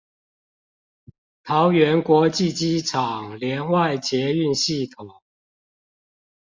桃園國際機場聯外捷運系統